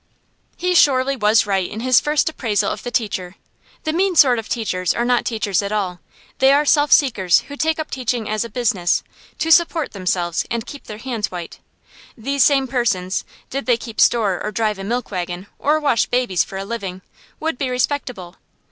He surely was right in his first appraisal of the teacher. The mean sort of teachers are not teachers at all; they are self seekers who take up teaching as a business, to support themselves and keep their hands white. These same persons, did they keep store or drive a milk wagon or wash babies for a living, would be respectable.